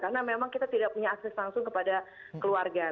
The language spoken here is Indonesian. karena memang kita tidak punya akses langsung kepada keluarga